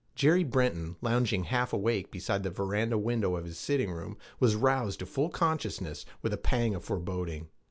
Jerry Breton, lounging, half awake, beside the veranda window of his sitting room, was roused to full consciousness and a pang of foreboding.